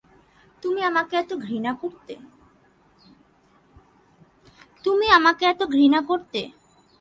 তুমি আমাকে এত ঘৃণা করতে?